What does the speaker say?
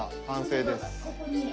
完成です。